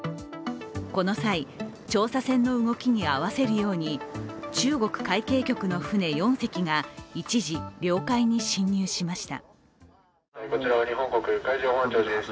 この際、調査船の動きに合わせるように中国海警局の船４隻が、一時、領海に侵入しました。